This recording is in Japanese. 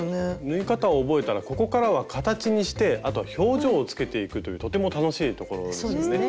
縫い方を覚えたらここからは形にしてあとは表情をつけていくというとても楽しいところですよね。